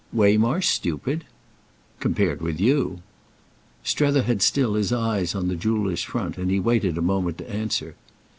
"Waymarsh stupid?" "Compared with you." Strether had still his eyes on the jeweller's front, and he waited a moment to answer.